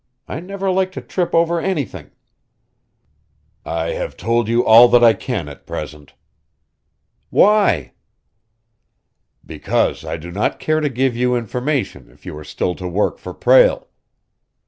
I never like to trip over anything." "I have told you all that I can at present." "Why?" "Because I do not care to give you information if you are still to work for Prale."